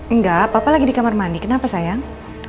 enggak papa lagi di kamar mandi kenapa sayang